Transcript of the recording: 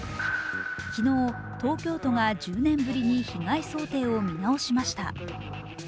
昨日、東京都が１０年ぶりに被害想定を見直しました。